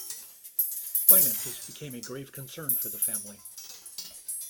Finances became a grave concern for the family.